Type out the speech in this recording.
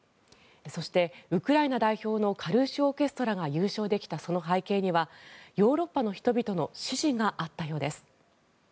そして、ウクライナ代表のカルーシュ・オーケストラが優勝できたその背景にはヨーロッパの人々の支持があったようです。